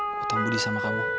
ketambudi sama kamu